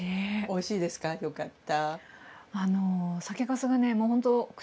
おいしいですかよかった。